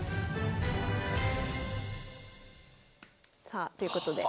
さあということで。